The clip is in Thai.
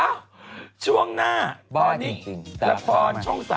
ช่วงหน้าตอนนี้ละครช่อง๓